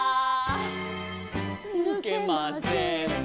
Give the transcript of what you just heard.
「ぬけません」